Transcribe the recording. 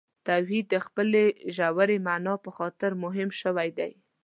توحید د خپلې ژورې معنا په خاطر مهم شوی دی.